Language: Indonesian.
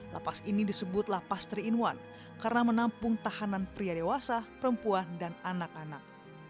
lapas ini disebut lapas tiga in satu karena menampung tahanan pria dewasa perempuan dan anak anak